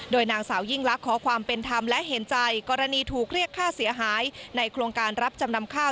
นางสาวยิ่งลักษณ์ขอความเป็นธรรมและเห็นใจกรณีถูกเรียกค่าเสียหายในโครงการรับจำนำข้าว